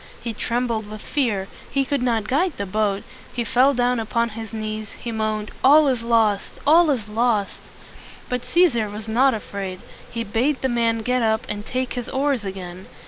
He trembled with fear; he could not guide the boat; he fell down upon his knees; he moaned, "All is lost! all is lost!" But Cæsar was not afraid. He bade the man get up and take his oars again.